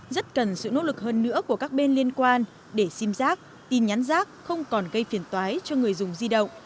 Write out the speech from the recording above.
rất cần sự nỗ lực hơn nữa của các bên liên quan để sim giác tin nhắn rác không còn gây phiền toái cho người dùng di động